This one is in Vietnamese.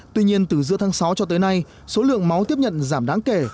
tuy nhiên từ giữa tháng sáu cho tới nay số lượng máu tiếp nhận giảm đáng kể